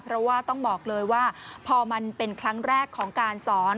เพราะว่าต้องบอกเลยว่าพอมันเป็นครั้งแรกของการสอน